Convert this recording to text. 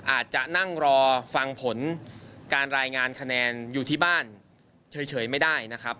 อาจจะนั่งรอฟังผลการรายงานคะแนนอยู่ที่บ้านเฉยไม่ได้นะครับ